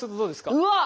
うわっ！